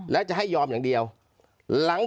เจ้าหน้าที่แรงงานของไต้หวันบอก